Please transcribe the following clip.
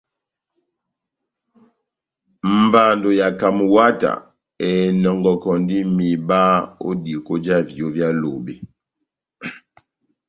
Mbando ya Camwater enɔngɔkɔndi mihiba ó diko já viyó vyá Lobe.